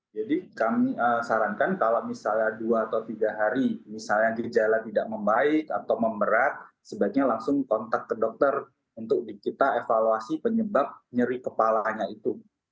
jadi kami sarankan kalau misalnya dua atau tiga hari misalnya gejala tidak membaik atau memberat sebaiknya langsung kontak ke dokter untuk kita evaluasi penyebab nyeri kepalanya itu